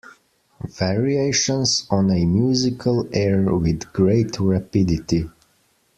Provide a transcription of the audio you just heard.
Variations on a musical air With great rapidity.